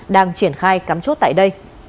đang triển khai cắm chốt tại đây